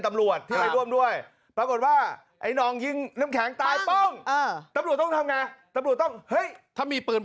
ครับกระด้วนด้วยปรากฏว่าไอ้นอร์มยิงน้ำแข็งตายป้อง